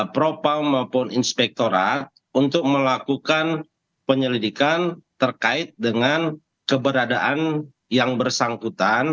propam maupun inspektoral untuk melakukan penyelidikan terkait dengan keberadaan yang bersangkutan